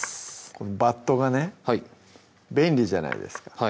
このバットがね便利じゃないですか